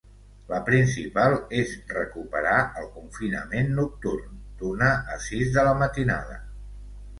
La principal és recuperar el confinament nocturn, d’una a sis de la matinada.